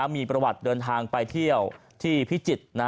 มีประวัติเดินทางไปเที่ยวที่พิจิตร